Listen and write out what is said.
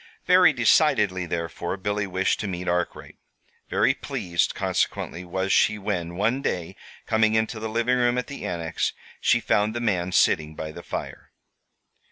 Very decidedly, therefore, Billy wished to meet Arkwright. Very pleased, consequently, was she when, one day, coming into the living room at the Annex, she found the man sitting by the fire.